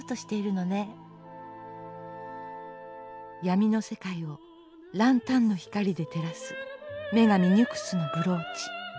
闇の世界を角灯の光で照らす女神ニュクスのブローチ。